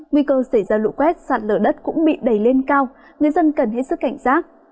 nguy cơ xảy ra lũ quét sạt lở đất cũng bị đẩy lên cao người dân cần hết sức cảnh giác